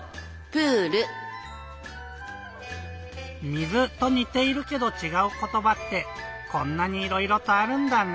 「水」とにているけどちがうことばってこんなにいろいろとあるんだね。